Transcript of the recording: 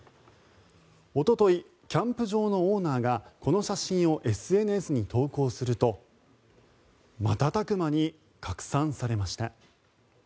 おとといキャンプ場のオーナーがこの写真をＳＮＳに投稿すると瞬く間に拡散されました。